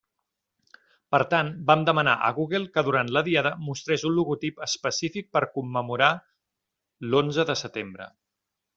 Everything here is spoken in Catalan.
Per tant, vam demanar a Google que durant la Diada mostrés un logotip específic per commemorar l'conze de setembre.